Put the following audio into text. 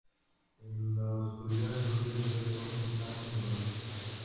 En la oscuridad es posible ver los gusanos luminosos.